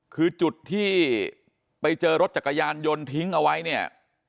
คือจุดที่ไปเจอรถจักรยานยนต์ทิ้งเอาไว้เนี่ย